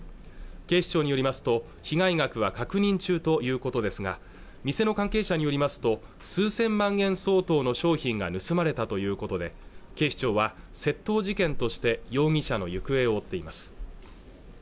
警視庁によりますと被害額は確認中ということですが店の関係者によりますと数千万円相当の商品が盗まれたということで警視庁は窃盗事件として容疑者の行方を追っています